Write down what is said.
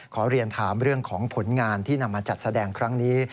ขอเรียนถามเรื่องของผลงานที่นำมาจัดแสดงครั้งนี้